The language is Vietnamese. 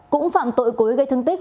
cũng phạm tội cối gây thương tích